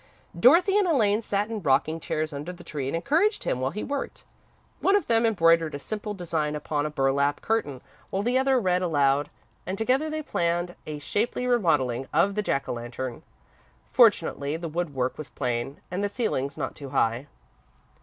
Dorothy and Elaine sat in rocking chairs under the tree and encouraged him while he worked. One of them embroidered a simple design upon a burlap curtain while the other read aloud, and together they planned a shapely remodelling of the Jack o' Lantern. Fortunately, the woodwork was plain, and the ceilings not too high.